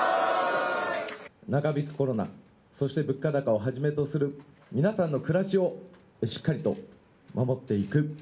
長引くコロナ、そして物価高をはじめとする皆さんの暮らしをしっかりと守っていく。